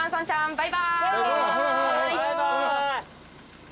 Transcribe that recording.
バイバーイ。